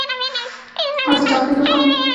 ایا زه چاکلیټ وخورم؟